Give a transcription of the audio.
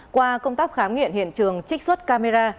qua công tác khám nghiệm hiện trường trích xuất camera